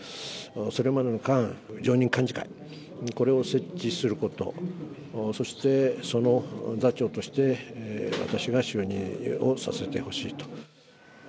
それまでの間、常任幹事会、これを設置すること、そして、その座長として私が就任をさせてほしいと。